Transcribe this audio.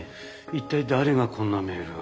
一体誰がこんなメールを。